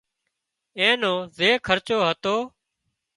اين نو زي خرچ هتو